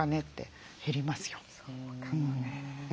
そうかもね。